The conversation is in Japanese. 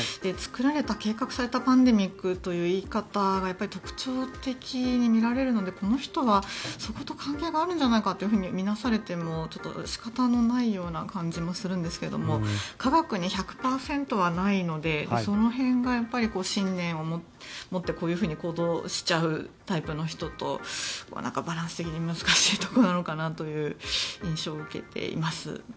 作られた、計画されたパンデミックという言い方が特徴的にみられるのでこの人はそこと関係があるんじゃないかと見なされても仕方のないような感じもするんですけど科学に１００％はないのでその辺が信念を持ってこう行動しちゃうタイプの人とバランス的に難しいところなのかなという印象を受けています。